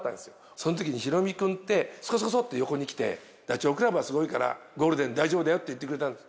そのときにヒロミ君ってこそこそこそって横に来て、ダチョウ倶楽部はすごいからゴールデン大丈夫だよって言ってくれたんです。